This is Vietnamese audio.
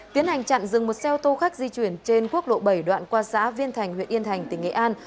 tiến hành chặn dừng một xe ô tô khách di chuyển trên quốc lộ bảy đoạn qua xã viên thành huyện yên thành tỉnh nghệ an